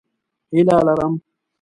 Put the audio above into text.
هیله لرم